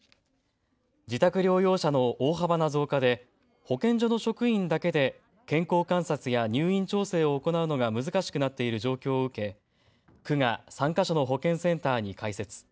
自宅療養者の大幅な増加で保健所の職員だけで健康観察や入院調整を行うのが難しくなっている状況を受け区が３か所の保健センターに開設。